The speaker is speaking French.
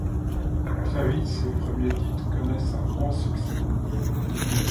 Très vite, ces premiers titres connaissent un grand succès.